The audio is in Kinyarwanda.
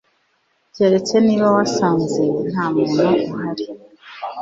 Keretse niba wasanze ntamuntu uhari